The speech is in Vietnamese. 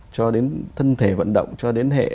cho đến thân thể vận động cho đến hệ